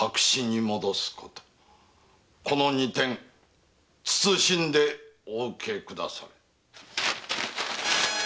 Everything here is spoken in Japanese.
この二点謹んでお受けくだされい。